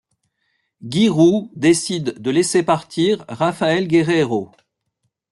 Guy Roux décide de laisser partir Raphaël Guerreiro.